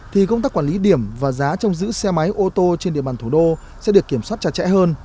thì công tác quản lý điểm và giá trong giữ xe máy ô tô trên địa bàn thủ đô sẽ được kiểm soát chặt chẽ hơn